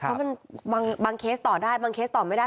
เพราะมันบางเคสต่อได้บางเคสต่อไม่ได้